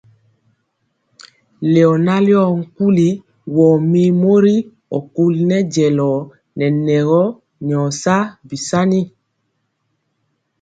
Leona yoo kuli wo mir mori ɔkuli nɛ jelor nɛ nɛgɔ nyor sao beasani.